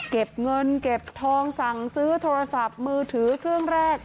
เก็บเงินเก็บทองสั่งซื้อโทรศัพท์มือถือเครื่องแรก